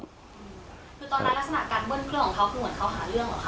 คือตอนนั้นลักษณะการเบิ้ลเครื่องของเขาคือเหมือนเขาหาเรื่องเหรอค